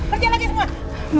kerja lagi semua